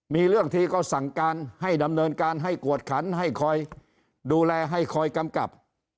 มีเรื่องทีก็สั่งการให้ดำเนินการให้กวดขันให้คอยดูแลให้คอยกำกับ